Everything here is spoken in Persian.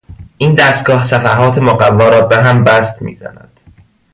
این دستگاه صفحات مقوا را به هم بست میزند.